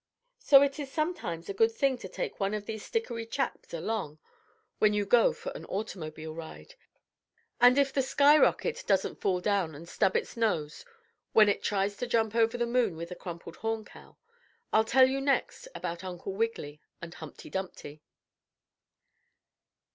So it is sometimes a good thing to take one of these stickery chaps along when you go for an automobile ride. And if the skyrocket doesn't fall down and stub its nose when it tries to jump over the moon with the crumpled horn cow, I'll tell you next about Uncle Wiggily and Humpty Dumpty.